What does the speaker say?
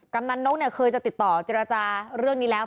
กำนันนกเนี่ยเคยจะติดต่อเจรจาเรื่องนี้แล้ว